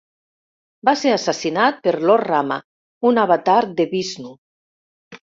Va ser assassinat per Lord Rama, un avatar de Vishnu.